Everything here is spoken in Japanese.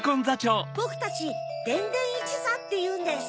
ボクたちでんでんいちざっていうんです。